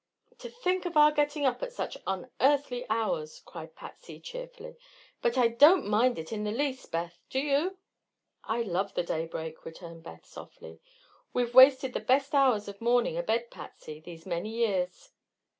"To think of our getting up at such unearthly hours!" cried Patsy cheerfully. "But I don't mind it in the least, Beth; do you?" "I love the daybreak," returned Beth, softly. "We've wasted the best hours of morning abed, Patsy, these many years."